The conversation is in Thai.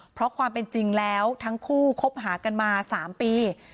เพราะความเป็นจริงแล้วทั้งคู่คบหากันมา๓ปี